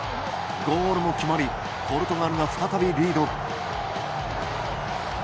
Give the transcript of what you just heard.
ゴールも決まりポルトガルが再びリード。